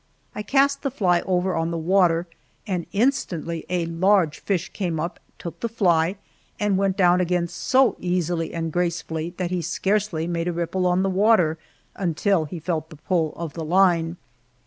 I cast the fly over on the water, and instantly a large fish came up, took the fly, and went down again so easily and gracefully that he scarcely made a ripple on the water until he felt the pull of the line.